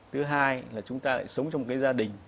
thứ hai là chúng ta lại sống trong một cái gia đình